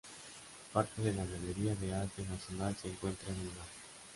Parte de la Galería de Arte Nacional se encuentra en el lugar.